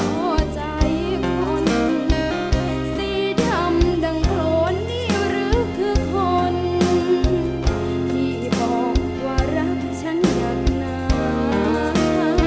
ขอใจคนสีดำดังโผล่นี่หรือคือคนที่บอกว่ารักฉันอยากนาน